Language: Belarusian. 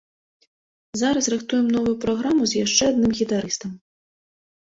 Зараз рыхтуем новую праграму з яшчэ адным гітарыстам.